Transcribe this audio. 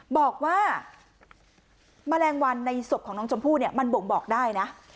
บอกว่าแมลงวันในศพของน้องชมพู่เนี่ยมันบ่งบอกได้นะ